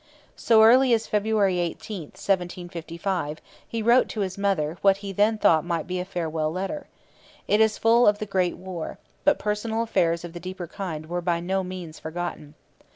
So early as February 18, 1755, he wrote to his mother what he then thought might be a farewell letter. It is full of the great war; but personal affairs of the deeper kind were by no means forgotten.